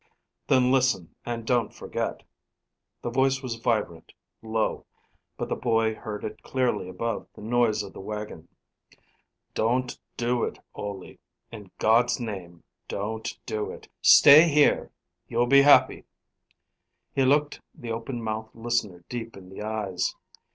"Then, listen, and don't forget." The voice was vibrant, low, but the boy heard it clearly above the noise of the wagon. "Don't do it, Ole; in God's name, don't do it! Stay here, you'll be happy." He looked the open mouthed listener deep in the eyes.